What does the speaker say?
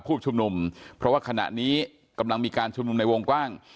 ผู้ชุมนุมเพราะว่าขณะนี้กำลังมีการชุมนุมในวงกว้าง